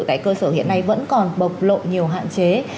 tại cơ sở hiện nay vẫn còn bộc lộ nhiều hạn chế